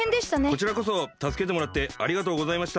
こちらこそたすけてもらってありがとうございました。